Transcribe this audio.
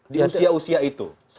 di usia usia itu